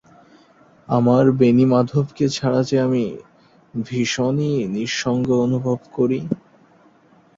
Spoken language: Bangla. পরবর্তী সময়ে নদিয়ার রাজবংশ দেবীর সেবার অনুদান দিতেন।